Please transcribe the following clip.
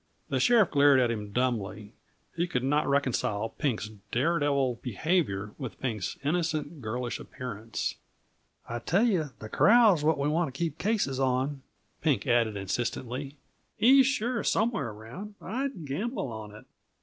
The sheriff glared at him dumbly; he could not reconcile Pink's daredevil behavior with Pink's innocent, girlish appearance. "I tell yuh the corral's what we want t' keep cases on," Pink added insistently. "He's sure somewheres around I'd gamble on it.